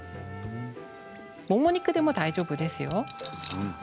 もも肉でも大丈夫ですよ。